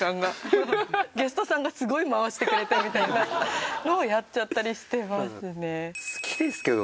ゲストさんがすごい回してくれてみたいなのをやっちゃったりしてますね。